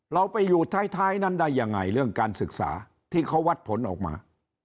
เราไปอยู่ท้ายนั้นได้ยังไงเรื่องการศึกษาที่เขาวัดผลออกมา